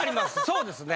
そうですね。